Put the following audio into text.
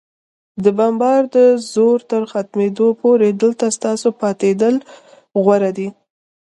د بمبار د زور تر ختمېدو پورې، دلته ستاسو پاتېدل غوره دي.